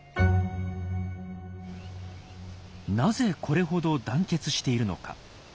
なぜこれほど団結しているのか？